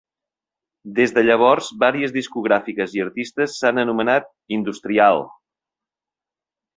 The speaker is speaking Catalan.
Des de llavors, varies discogràfiques i artistes s'han anomenat "industrial".